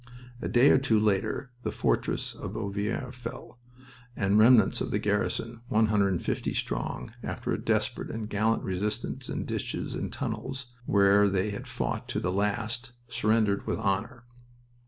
A day or two later the fortress of Ovillers fell, and the remnants of the garrison one hundred and fifty strong after a desperate and gallant resistance in ditches and tunnels, where they had fought to the last, surrendered with honor.